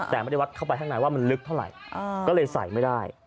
แต่ไม่ได้วัดเข้าไปข้างในว่ามันลึกเท่าไหร่ก็เลยใส่ไม่ได้